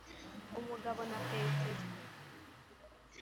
umugabo na petero